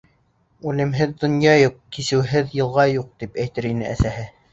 «Үлемһеҙ донъя юҡ, кисеүһеҙ йылға юҡ» тип әйтер ине әсәһе.